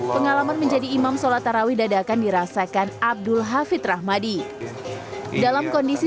pengalaman menjadi imam sholat tarawih dadakan dirasakan abdul hafid rahmadi dalam kondisi